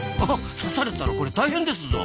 刺されたらこれ大変ですぞ！